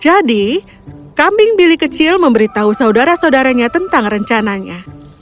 jadi kambing bili kecil memberitahu saudara saudaranya tentang rencananya